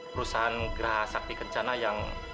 perusahaan geraha sakti kencana yang